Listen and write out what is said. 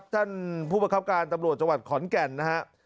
ท่านผู้บังคับการณ์ตำรวจจขอนแก่นนะครับ